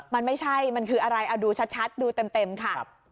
มันไม่ใช่มันคืออะไรเอาดูชัดดูเต็มค่ะ